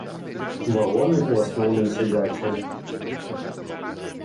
Вагоны ў асноўным сядзячыя.